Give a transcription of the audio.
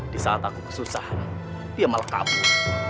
di saat aku kesusahan dia malah kabur